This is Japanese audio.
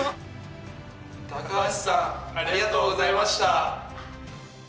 高橋さんありがとうございました！